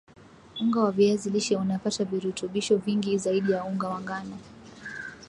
unga wa viazi lishe unapata virutubisho vingi zaidi ya unga wa ngano